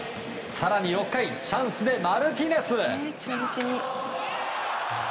更に６回チャンスでマルティネス。